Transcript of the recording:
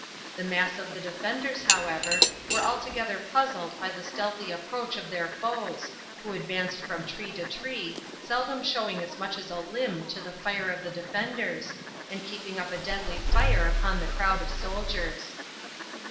The mass of the defenders, however, were altogether puzzled by the stealthy approach of their foes, who advanced from tree to tree, seldom showing as much as a limb to the fire of the defenders, and keeping up a deadly fire upon the crowd of soldiers.